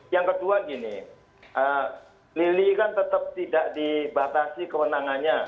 yang kedua gini lili kan tetap tidak dibatasi kewenangannya